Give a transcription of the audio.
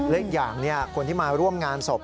และอีกอย่างคนที่มาร่วมงานศพ